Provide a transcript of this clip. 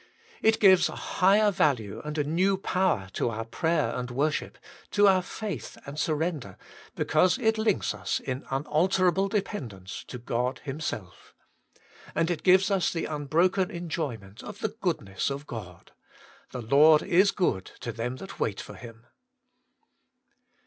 It gives a higher value and a new power to our prayer and worship, to our faith and surrender, because it links us, in unalterable dependence, to God Him self. And it gives us the unbroken enjoyment of the goodness of God :' The Lord is good to them that wait for Him.'